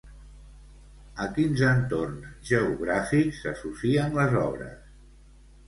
A quins entorns geogràfics s'associen les obres?